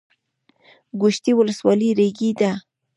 ګوشتې ولسوالۍ ریګي ده؟